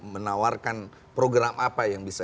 menawarkan program apa yang bisa